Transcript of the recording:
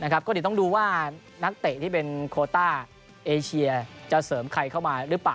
ก็เดี๋ยวต้องดูว่านักเตะที่เป็นโคต้าเอเชียจะเสริมใครเข้ามาหรือเปล่า